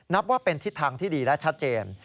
นับว่าเป็นทิศทางที่ดีและชัดเจน